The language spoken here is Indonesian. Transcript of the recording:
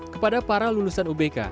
kepada para lulusan ubk